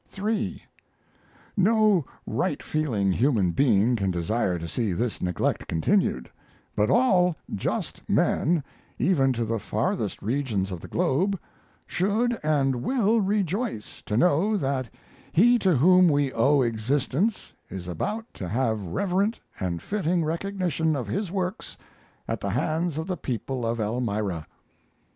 3. No right feeling human being can desire to see this neglect continued, but all just men, even to the farthest regions of the globe, should and will rejoice to know that he to whom we owe existence is about to have reverent and fitting recognition of his works at the hands of the people of Elmira.